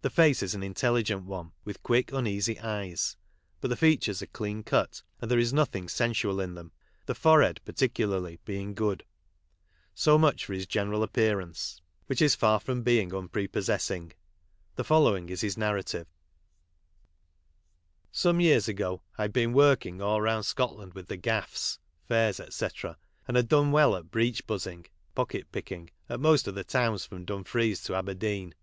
The face is an intelligent one, with quick, uneasy eyes, but the features are clean cut, and there is nothing sensual in them, the forehead, particularly, hmmr mind. So much for his. general appearance, E LASIX: A (tAROT rim s co.\ session. it which is far from being unprepossessing. The following is his narrativo :—" Some years ago I'd been working all round Scotland with tko gaffs (fairs, &c), and had done well at breech buzzing (pocket picking) at most of the towns from Dumfries to Aberdeen